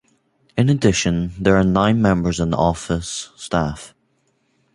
In addition, there are nine members in the office staff.